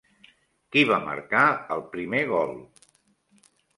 Qui va marcar el primer gol?